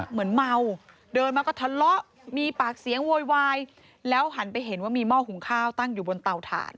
เหมือนเมาเดินมาก็ทะเลาะมีปากเสียงโวยวายแล้วหันไปเห็นว่ามีหม้อหุงข้าวตั้งอยู่บนเตาถ่าน